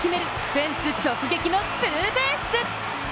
フェンス直撃のツーベース！